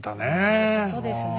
そういうことですね